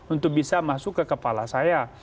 untuk bisa masuk ke kepala saya